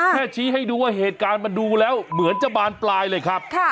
ชี้ให้ดูว่าเหตุการณ์มันดูแล้วเหมือนจะบานปลายเลยครับ